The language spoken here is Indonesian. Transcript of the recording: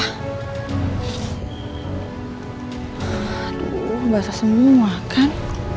aduh basah semua kan